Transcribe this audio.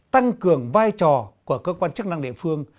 tăng cường vai trò của cơ quan chức năng địa phương